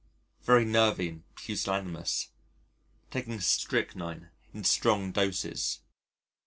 Very nervy and pusillanimous. Taking strychnine in strong doses.